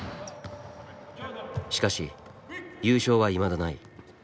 しかし優勝はいまだない。